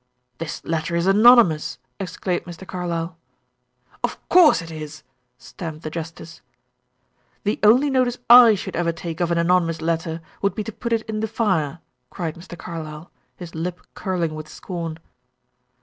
"This letter is anonymous!" exclaimed Mr. Carlyle. "Of course it is," stamped the justice. "The only notice I should ever take of an anonymous letter would be to put it in the fire," cried Mr. Carlyle, his lip curling with scorn.